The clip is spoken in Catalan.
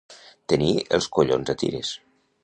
Tenir els collons a tires.